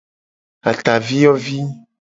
Ataviyovi.